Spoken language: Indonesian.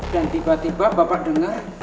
dan tiba tiba bapak denger